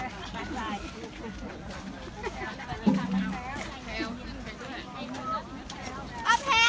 สวัสดีครับคุณพลาด